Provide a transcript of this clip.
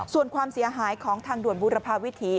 ส่วนความเสียหายของทางด่วนบุรพาวิถี